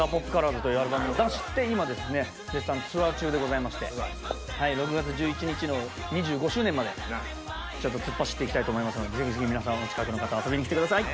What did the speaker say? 『ＤＡＰＯＰＣＯＬＯＲＳ』というアルバムを出して今ですね絶賛ツアー中でございまして６月１１日の２５周年までちょっと突っ走って行きたいと思いますのでぜひぜひ皆さんお近くの方は遊びに来てください。